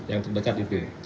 yang terdekat itu